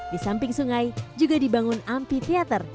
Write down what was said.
di samping sungai juga dibangun amphitheater